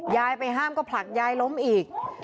ไปห้ามก็ผลักยายล้มอีก